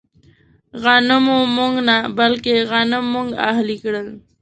غنمو موږ نه، بلکې غنم موږ اهلي کړل.